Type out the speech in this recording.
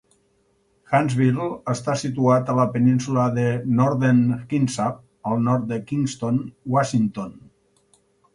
Hansville està situat a la península de Northern Kitsap, al nord de Kingston, Washington.